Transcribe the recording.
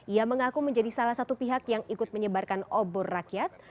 ia mengaku menjadi salah satu pihak yang ikut menyebarkan obor rakyat